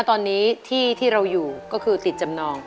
ที่ที่เราอยู่ก็คือติดจำนอง